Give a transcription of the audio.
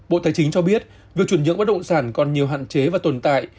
bộ tài chính cho biết việc chuyển nhượng bất động sản còn nhiều hạn chế và tồn tại